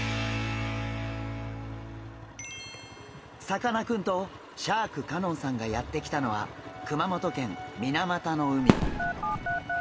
さかなクンとシャーク香音さんがやって来たのは熊本県水俣の海。